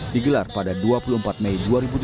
digelar pada dua puluh empat mei dua ribu tujuh belas